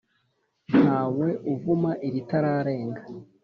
Ntawe uvuma iritararenga.